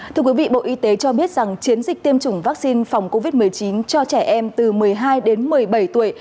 thưa quý vị bộ y tế cho biết rằng chiến dịch tiêm chủng vaccine phòng covid một mươi chín cho trẻ em từ một mươi hai đến một mươi bảy tuổi